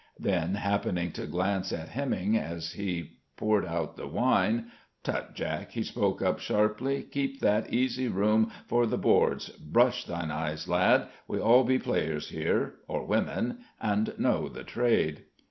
Then, happening to glance at Heminge as he poured out the wine "Tut, Jack!" he spoke up sharply: "keep that easy rheum for the boards. Brush thine eyes, lad: we be all players here or women and know the trade."